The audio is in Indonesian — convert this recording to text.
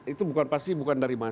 itu pasti bukan dari mahasiswa